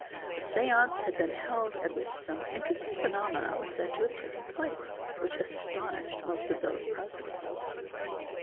A séance had been held at which some interesting phenomena were said to have taken place which astonished most of those present.